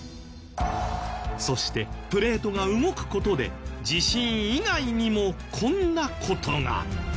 そしてプレートが動く事で地震以外にもこんな事が。